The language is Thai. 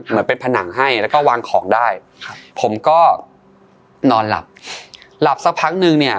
เหมือนเป็นผนังให้แล้วก็วางของได้ครับผมก็นอนหลับหลับสักพักนึงเนี่ย